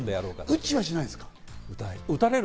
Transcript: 打ちはしないんですか？